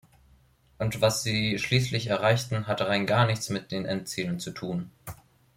Und was sie schließlich erreichten, hatte rein gar nichts mit den Endzielen zu tun.